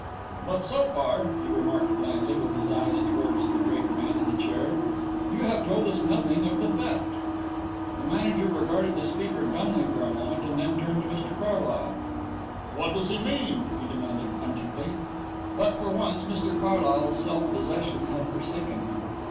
"But so far," he remarked blandly, with his eyes towards the great man in the chair, "you have told us nothing of the theft." The Manager regarded the speaker dumbly for a moment and then turned to Mr Carlyle. "What does he mean?" he demanded pungently. But for once Mr Carlyle's self possession had forsaken him.